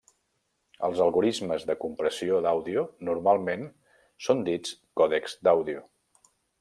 Els algorismes de compressió d'àudio normalment són dits còdecs d'àudio.